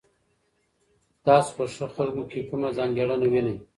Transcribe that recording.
تاسو په ښه خلکو کي کومه ځانګړنه وینئ؟